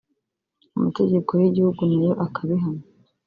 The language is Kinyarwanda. amategeko y’igihugu nayo akabihamya